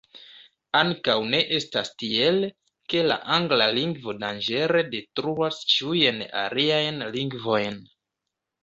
Ankaŭ ne estas tiel, ke la angla lingvo danĝere detruas ĉiujn aliajn lingvojn.